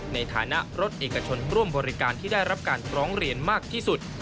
ในฐานะรถเอกชนร่วมบริการที่ได้รับการร้องเรียนมากที่สุด